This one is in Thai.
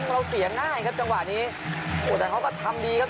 เราเสียง่ายครับจังหวะนี้โอ้โหแต่เขาก็ทำดีครับ